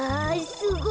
すごい。